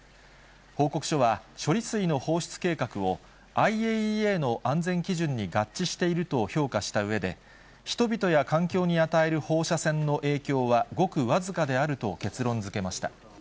報告書は、処理水の放出計画を、ＩＡＥＡの安全基準に合致していると評価したうえで、人々や環境に与える放射線の影響はごく僅かであると結論づけました。